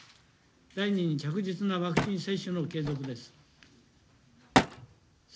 第２に、着実なワクチン接種の継続です。